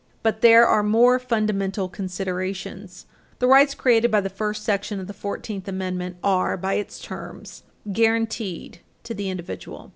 But there are more fundamental considerations. The rights created by the first section of the Fourteenth Amendment are, by its terms, guaranteed to the individual.